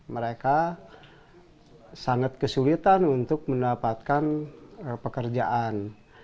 mereka sangat kesulitan untuk mendapatkan pekerjaan